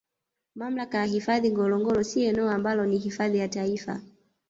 Mamlaka ya hifadhi Ngorongoro si eneo ambalo ni hifadhi ya Taifa